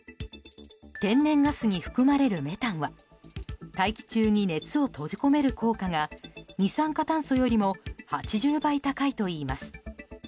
天然ガスに含まれるメタンは大気中に熱を閉じ込める効果が二酸化炭素よりも８０倍高いといいます。